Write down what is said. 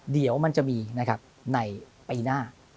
เดี๋ยวมันจะมีในปีหน้า